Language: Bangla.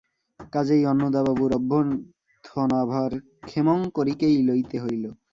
কাজেই অন্নদাবাবুর অভ্যর্থনাভার ক্ষেমংকরীকেই লইতে হইল।